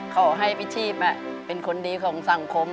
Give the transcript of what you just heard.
ขอให้พี่ชีพเป็นคนดีของสังคม